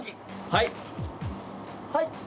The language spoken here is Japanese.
はい！